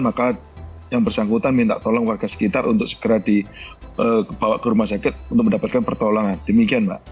maka yang bersangkutan minta tolong warga sekitar untuk segera dibawa ke rumah sakit untuk mendapatkan pertolongan demikian mbak